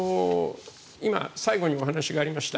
今、最後にお話がありました